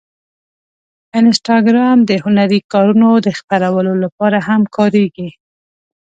انسټاګرام د هنري کارونو د خپرولو لپاره هم کارېږي.